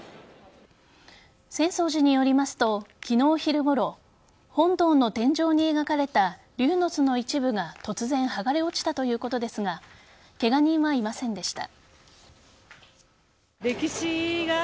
浅草寺によりますと昨日昼ごろ本堂の天井に描かれた「龍之図」の一部が突然剥がれ落ちたということですがケガ人はいませんでした。